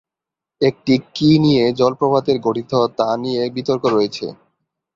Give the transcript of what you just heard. একটি কি নিয়ে জলপ্রপাতের গঠিত তা নিয়ে বিতর্ক রয়েছে।